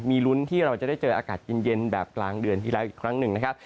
มีลุ้นที่เราจะได้เจออากาศเย็นแบบกลางเดือนที่แล้วอีกครั้งหนึ่งนะครับ